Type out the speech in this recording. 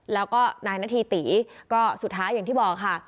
แล้วก็นายนาธีตีก็สุดท้ายอย่างที่บอกค่ะ